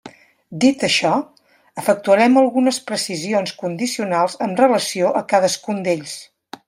Dit això, efectuarem algunes precisions condicionals amb relació a cadascun d'ells.